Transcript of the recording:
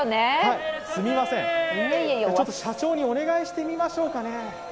ちょっと社長にお願いしてみましょうかね。